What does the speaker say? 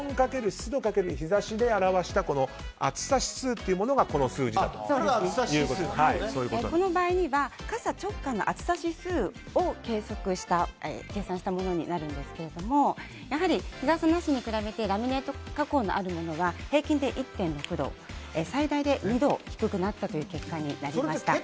湿度×日差しで表した暑さ指数というのがこの場合には傘直下の暑さ指数を計算したものになるんですがやはり日傘なしに比べてラミネート加工のあるものは平均で１．６度最大で２度低くなったという結果になりました。